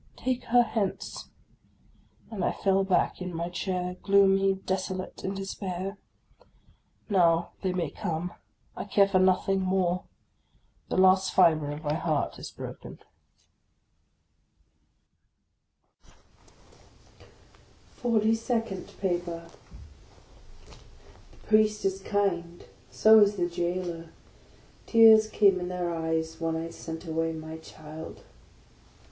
" Take her hence !" and I fell back in my chair, gloomy, desolate, in despair ! Now they may come : I care for nothing more ; the last fibre of my heart is broken. OF A CONDEMNED 98 FORTY SECOND PAPER rflHE Priest is kind; so is the jailor: tears came in their JL eyes when I sent away my child.